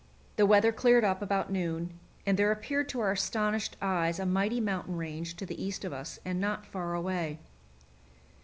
The weather cleared up about noon, and there appeared to our astonished eyes a mighty mountain range to the east of us, and not far away.